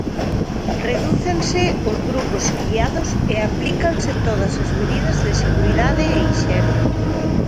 Redúcense os grupos guiados e aplícanse todas as medidas de seguridade e hixiene.